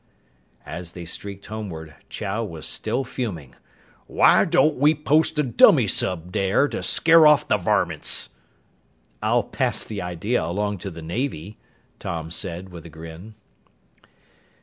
As they streaked homeward, Chow was still fuming. "Why don't we post a dummy sub there to scare off the varmints?" "I'll pass the idea along to the Navy," Tom said with a grin.